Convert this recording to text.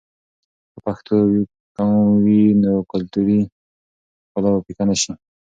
که پښتو قوي وي، نو کلتوري ښکلا به پیکه نه شي.